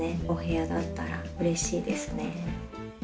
お部屋だったらうれしいですね。